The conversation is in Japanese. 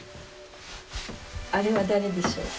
あれは誰でしょ？